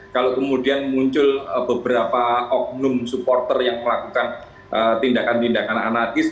kalau kemudian muncul beberapa oknum supporter yang melakukan tindakan tindakan anarkis